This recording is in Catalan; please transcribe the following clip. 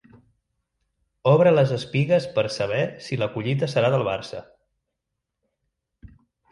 Obre les espigues per saber si la collita serà del Barça.